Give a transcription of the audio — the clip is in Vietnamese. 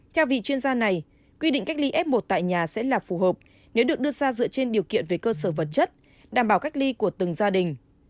theo vị chuyên gia này quy định cách ly f một tại nhà sẽ là phù hợp nếu được đưa ra dựa trên điều kiện về cơ sở vật chất đảm bảo cách ly của từng gia đình